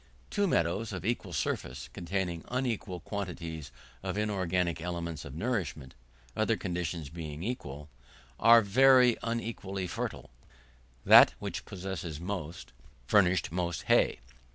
Two meadows of equal surface, containing unequal quantities of inorganic elements of nourishment, other conditions being equal, are very unequally fertile; that which possesses most, furnishes most hay.